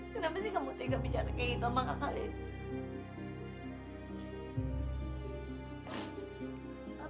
kenapa sih kamu tega bicara kayak gitu sama kak kalian